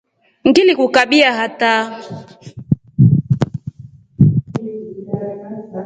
Ngilikukabia hataa.